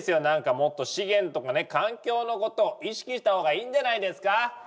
何かもっと資源とかね環境のことを意識した方がいいんじゃないですか？